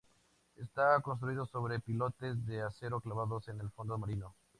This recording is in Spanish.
Está construido sobre pilotes de acero clavados en el fondo marino.